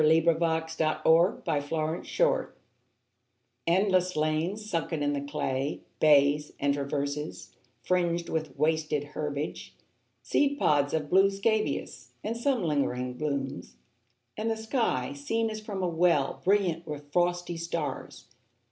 Frederic Manning THE TRENCHES ENDLESS lanes sunken in the clay, Bays, and traverses, fringed with wasted herbage, Seed pods of blue scabious, and some lingering blooms ; And the sky, seen as from a well, Brilliant with frosty stars.